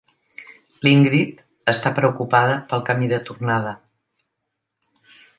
L'Ingrid està preocupada pel camí de tornada.